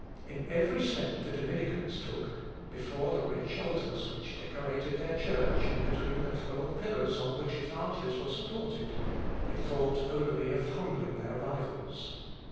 In every step the Dominicans took before the rich altars which decorated their church, and between the twelve pillars on which its arches were supported they thought only of humbling their rivals.